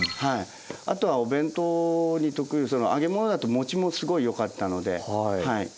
あとはお弁当に特有揚げ物だと保ちもすごいよかったので。